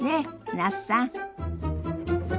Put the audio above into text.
那須さん。